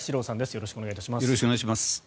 よろしくお願いします。